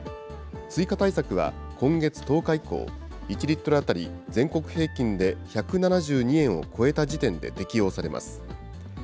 追加対策は、今月１０日以降、１リットル当たり全国平均で１７２円を超えた時点で適用されます。